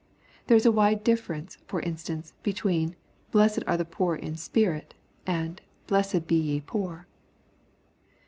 There is a wide difference, for instance, between Blessed are the poor in spirit,'^ and " Blessed be ye poor."